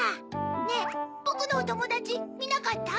ねぇぼくのおともだちみなかった？